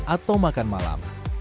atau makan malam